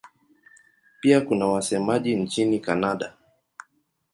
Pia kuna wasemaji nchini Kanada.